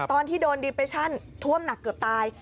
ตอนที่โดนดิเปชั่นท่วมหนักเกือบตาย